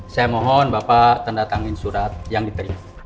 saya mohon bapak tanda tangan surat yang diterima